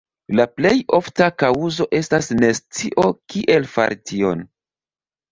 La plej ofta kaŭzo estas nescio, kiel fari tion.